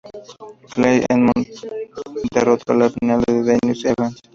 Kyle Edmund derrotó en la final a Daniel Evans.